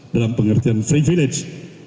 dalam pengertian privilege